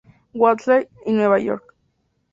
Wheatley en Nueva York.